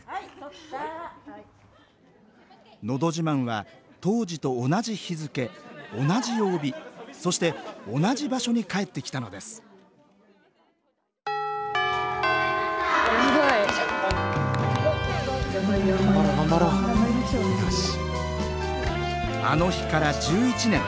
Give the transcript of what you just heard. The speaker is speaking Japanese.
「のど自慢」は当時と同じ日付同じ曜日そして同じ場所に帰ってきたのですあの日から１１年。